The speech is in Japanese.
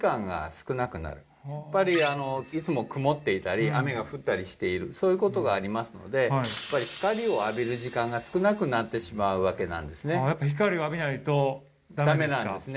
やっぱりいつも曇っていたり雨が降ったりしているそういうことがありますので光を浴びる時間が少なくなってしまうわけなんですねやっぱ光を浴びないとダメなんですか？